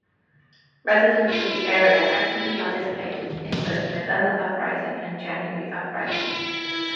Residents of the area actively participated in both November Uprising and January Uprising.